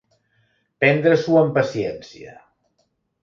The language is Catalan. Prendre-s'ho amb paciència.